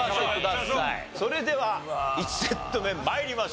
それでは１セット目参りましょう。